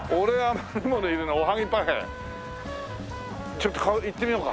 ちょっと行ってみようか。